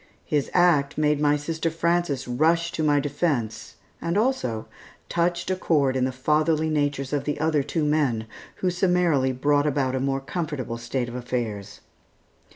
His act made my sister Frances rush to my defence, and also, touched a chord in the fatherly natures of the other two men, who summarily brought about a more comfortable state of affairs.